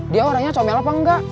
dia orangnya comel apa enggak